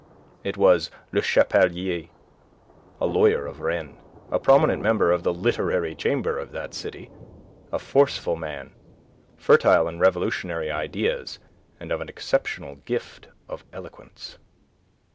It was Le Chapelier, a lawyer of Rennes, a prominent member of the Literary Chamber of that city, a forceful man, fertile in revolutionary ideas and of an exceptional gift of eloquence.